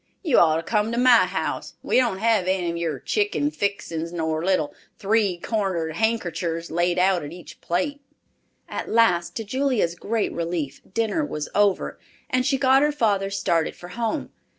You ought to come to my house. We don't have any your chicken fixin's nor little three cornered hankerchers laid out at each plate." At last, to Julia's great relief, dinner was over, and she got her father started for home.